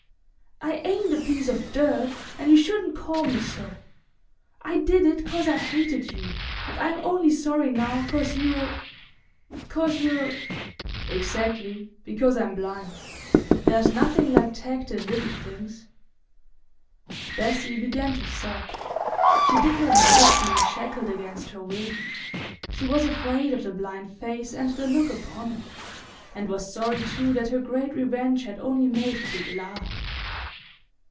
"I ain't a piece of dirt, and you shouldn't call me so! I did it "cause I hated you, and I'm only sorry now "cause you're—'cause you're——" "Exactly—because I'm blind. There's nothing like tact in little things." Bessie began to sob. She did not like being shackled against her will; she was afraid of the blind face and the look upon it, and was sorry too that her great revenge had only made Dick laugh.